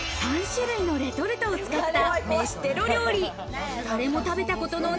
３種類のレトルトを使った飯テロ料理。